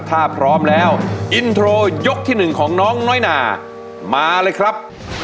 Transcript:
ถ้าพร้อมแล้วอินโทรยกที่๑ของน้องน้อยนามาเลยครับ